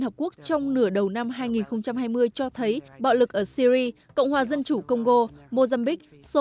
hợp quốc trong nửa đầu năm hai nghìn hai mươi cho thấy bạo lực ở syria cộng hòa dân chủ congo mozambique